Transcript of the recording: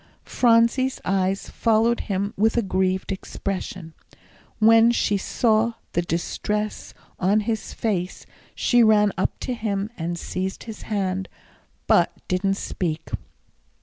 Phronsie's eyes followed him with a grieved expression. When she saw the distress on his face, she ran up to him and seized his hand, but didn't speak.